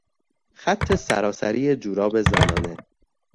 خط سراسری جوراب زنانه